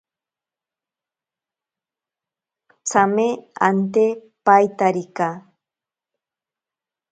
Tsame ante paitarika.